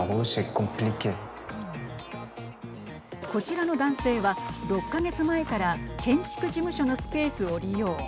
こちらの男性は６か月前から建築事務所のスペースを利用。